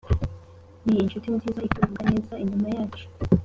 ninshuti nziza ituvuga neza inyuma yacu.